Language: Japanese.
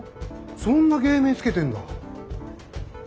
そんな芸名付けてんだ？